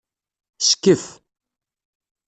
Skef.